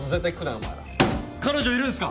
お前ら彼女いるんすか？